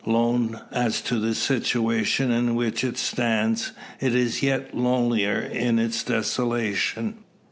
Lone as to the situation in which it stands, it is yet lonelier in its desolation.